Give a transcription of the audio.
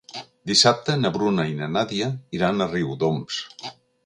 Dissabte na Bruna i na Nàdia iran a Riudoms.